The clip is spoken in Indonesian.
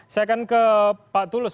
saya akan ke pak tulus